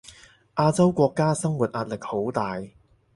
亞洲國家生活壓力好大